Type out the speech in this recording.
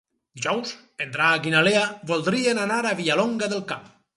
Dijous en Drac i na Lea voldrien anar a Vilallonga del Camp.